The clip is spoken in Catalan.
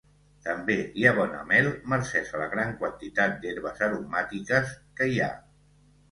També hi ha bona mel mercés a la gran quantitat d'herbes aromàtiques que hi ha.